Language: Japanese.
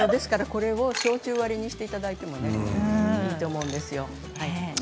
これ、焼酎割りにしていただいてもいいと思うんですよ。